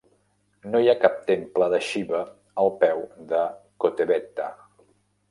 No hi ha cap temple de Xiva al peu de Kotebetta.